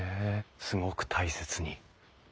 すごく大切に。